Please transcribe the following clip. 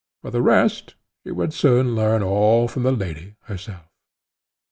For the rest, she would soon learn all from the lady herself.